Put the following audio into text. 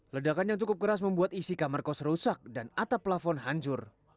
ledakan yang cukup keras membuat isi kamar kos rusak dan atap plafon hancur